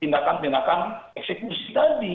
tindakan tindakan eksekusi tadi